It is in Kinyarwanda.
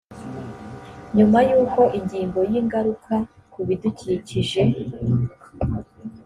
nyuma y uko inyigo y ingaruka ku bidukikije